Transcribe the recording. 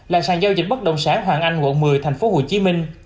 là sàn giao dịch bất đồng sản hoàng anh quận một mươi tp hcm